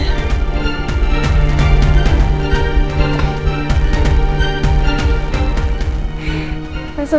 dia udah ke sana